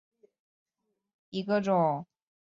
肥皂荚为豆科肥皂荚属下的一个种。